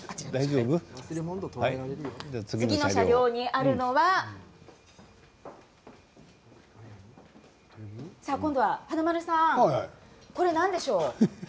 次の車両にあるのは華丸さん、これ何でしょう。